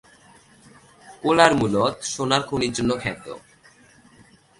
কোলার মুলত সোনার খনির জন্য খ্যাত।